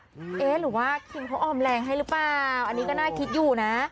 เอ๊ะหรือว่าคิมเขาออมแรงให้หรือเปล่าอันนี้ก็น่าคิดอยู่นะ